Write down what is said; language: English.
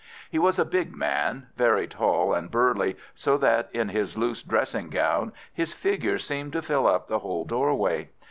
He was a big man, very tall and burly, so that in his loose dressing gown his figure seemed to fill up the whole doorway.